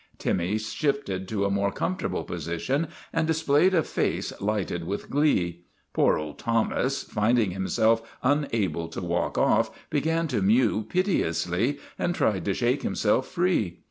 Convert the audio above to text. Timmy shifted to a more comfortable position and displayed a face lighted with glee. Poor old Thomas, finding himself unable to walk off, began to mew piteously and tried to shake himself free.